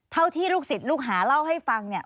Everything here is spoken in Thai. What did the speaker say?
เท่าที่ลูกศิษย์ลูกหาเล่าให้ฟังเนี่ย